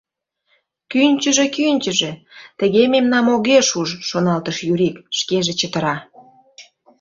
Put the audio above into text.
«Кӱнчыжӧ, кӱнчыжӧ, тыге мемнам огеш уж, — шоналтыш Юрик, шкеже чытыра.